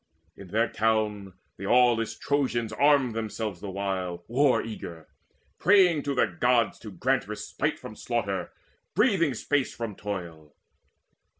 In their town The aweless Trojans armed themselves the while War eager, praying to the Gods to grant Respite from slaughter, breathing space from toil.